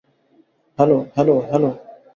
Hello, hello, hello.